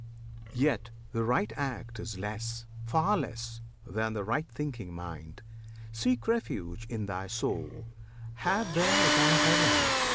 Yet, the right act Is less, far less, than the right thinking mind. Seek refuge in thy soul; have there thy heaven!